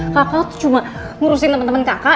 kakak tuh cuma ngurusin temen temen kakak